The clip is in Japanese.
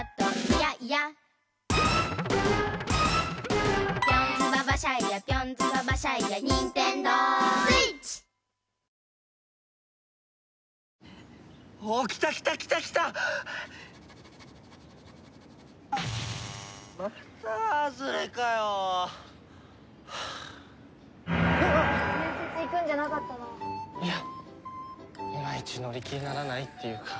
いやいまいち乗り気にならないっていうか。